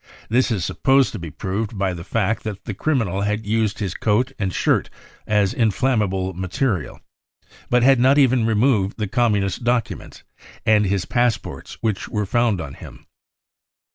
This is supposed to be proved by the fact that the criminal had used his coat and shirt as inflammable material, but: had not even removed the Communist documents and his passport which were found on him.